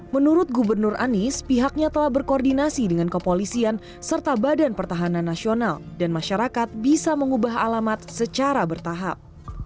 menurut gubernur anies pihaknya telah berkoordinasi dengan kepolisian serta badan pertahanan nasional dan masyarakat bisa mengubah alamat secara bertahap